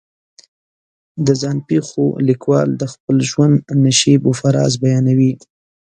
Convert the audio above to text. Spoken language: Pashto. د ځان پېښو لیکوال د خپل ژوند نشیب و فراز بیانوي.